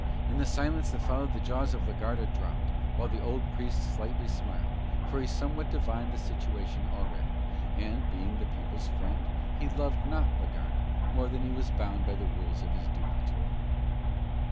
In the silence that followed the jaws of la Garda dropped, while the old Priest slightly smiled, for he somewhat divined the situation already; and, being the people's friend, he loved not la Garda more than he was bound by the rules of his duty to man.